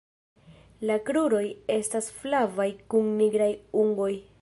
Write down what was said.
La kruroj estas flavaj kun nigraj ungoj.